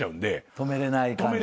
止めれない感じ。